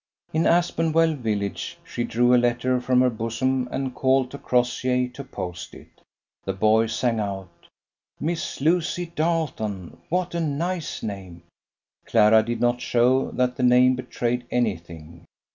In Aspenwell village she drew a letter from her bosom and called to Crossjay to post it. The boy sang out, "Miss Lucy Darleton! What a nice name!" Clara did not show that the name betrayed anything.